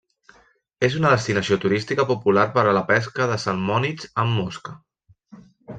És una destinació turística popular per a la pesca de salmònids amb mosca.